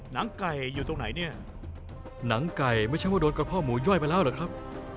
หนังไก่อยู่ตรงไหนเนี่ยหนังไก่ไม่ใช่ว่าโดนกระเพาะหมูย่อยไปแล้วเหรอครับ